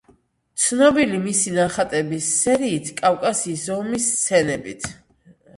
ცნობილი მისი ნახატების სერიით კავკასიის ომის სცენებით.